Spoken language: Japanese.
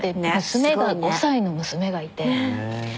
娘が５歳の娘がいて。ねぇ。